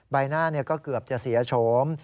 ใบหน้าก็เกือบจะเสียโฉม